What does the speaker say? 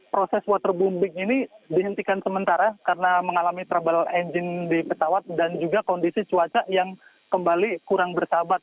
proses waterbombing ini dihentikan sementara karena mengalami trouble engine di pesawat dan juga kondisi cuaca yang kembali kurang bersahabat